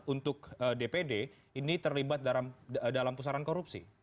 untuk dpd ini terlibat dalam pusaran korupsi